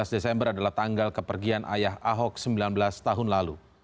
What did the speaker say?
tujuh belas desember adalah tanggal kepergian ayah ahok sembilan belas tahun lalu